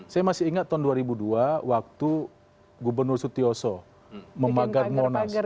saya masih ingat tahun dua ribu dua waktu gubernur sutioso memagar monas